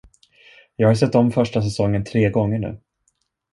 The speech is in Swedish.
Jag har sett om första säsongen tre gånger nu.